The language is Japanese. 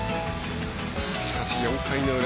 しかし、４回の裏。